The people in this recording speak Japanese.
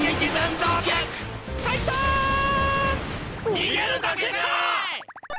逃げるだけか！